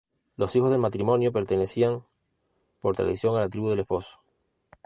Los hijos del matrimonio pertenecían por tradición a la tribu del esposo.